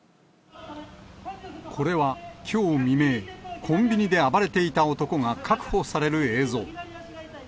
これは、きょう未明、コンビニで暴れていた男が確保される映像。